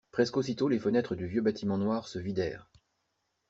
Presque aussitôt les fenêtres du vieux bâtiment noir se vidèrent.